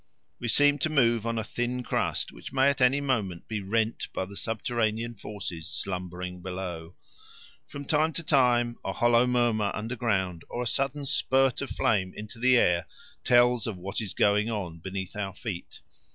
We seem to move on a thin crust which may at any moment be rent by the subterranean forces slumbering below. From time to time a hollow murmur underground or a sudden spirt of flame into the air tells of what is going on beneath our feet.